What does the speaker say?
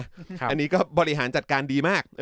อันนี้ก็บริหารจัดการดีมาก